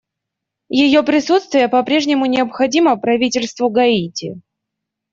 Ее присутствие по-прежнему необходимо правительству Гаити.